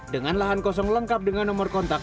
dengan lahan kosong lengkap dengan nomor kontak